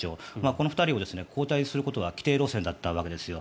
この２人を交代することは既定路線だったわけですよ。